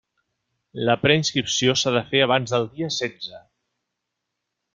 La preinscripció s'ha de fer abans del dia setze.